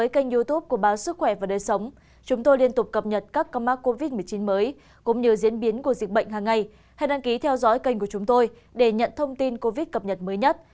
các bạn hãy đăng ký kênh của chúng tôi để nhận thông tin cập nhật mới nhất